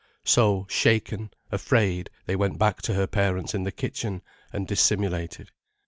So, shaken, afraid, they went back to her parents in the kitchen, and dissimulated.